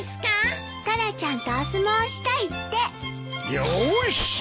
よし！